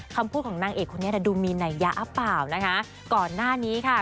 คำพูดของนางเอกคนนี้ดูมีนัยยะหรือเปล่านะคะก่อนหน้านี้ค่ะ